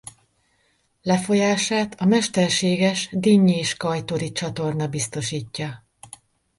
Lefolyását a mesterséges Dinnyés–Kajtori-csatorna biztosítja.